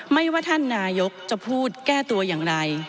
ไม่ว่าท่านนายกจะพูดแก้ตัวอย่างไร